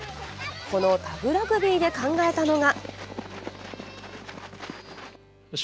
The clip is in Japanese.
このタグラグビーで考えたのが。